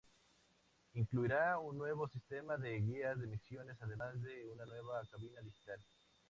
Incluirá un nuevo sistema de guía de misiones, además de una nueva cabina digital.